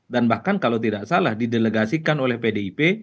dan bahkan kalau tidak salah didelegasikan oleh pdip